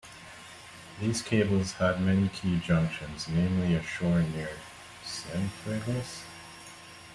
These cables had many key junctions, namely, a shore near Cienfuegos.